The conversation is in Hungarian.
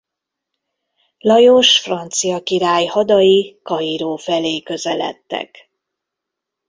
Lajos francia király hadai Kairó felé közeledtek.